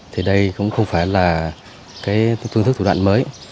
thì đây cũng không phải là cái phương thức thủ đoạn mới